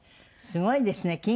すごいですね